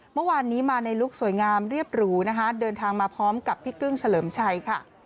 เมื่อวานนี้มาในลุคสวยงามเรียบหรูนะคะเดินทางมาพร้อมกับพี่กึ้งเฉลิมชัยค่ะ